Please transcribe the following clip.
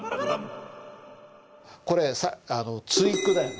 これ対句だよね。